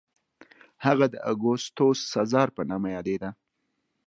هغه د اګوستوس سزار په نامه یادېده.